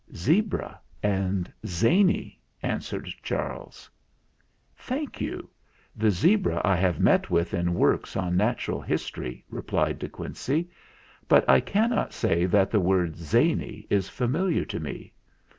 "Zebra and Zany," answered Charles. "Thank you; the zebra I have met with in works on natural history," replied De Quincey; "but I cannot say that the word 'zany' is familiar to me.